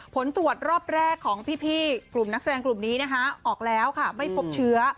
ผลตรวจรอบแรกของพี่กลุ่มนักแสดงกลุ่มนี้นะคะออกแล้วค่ะไม่พบเชื้อ